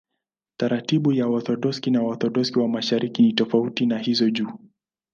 Taratibu za Waorthodoksi na Waorthodoksi wa Mashariki ni tofauti na hizo juu.